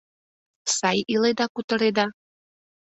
— Сай иледа-кутыреда!